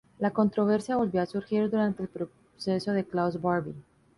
La controversia volvió a surgir durante el proceso de Klaus Barbie.